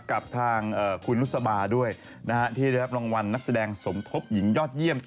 กับทางคุณนุษบาด้วยที่ได้รับรางวัลนักแสดงสมทบหญิงยอดเยี่ยม